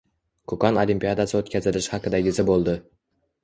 Qoʻqon olimpiadasi oʻtkazilishi haqidagisi boʻldi.